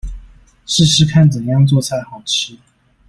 試試看怎樣做菜好吃